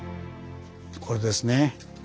これですね。